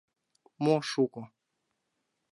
— Мо шуко?